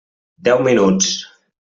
Deu minuts.